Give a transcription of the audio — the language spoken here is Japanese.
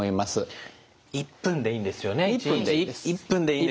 １日１分でいいですよね。